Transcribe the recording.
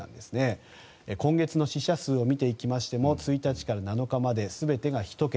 今月の死者数を見ていきましても１日から７日まで全てが１桁。